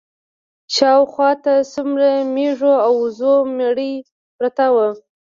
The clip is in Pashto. شا و خوا ته د څو مېږو او وزو مړي پراته وو.